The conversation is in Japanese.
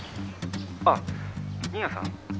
あっ、新谷さん？